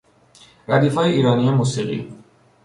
ردیف های ایرانی موسیقی